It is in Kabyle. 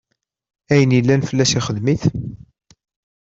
Ayen yellan fell-as ixdem-it.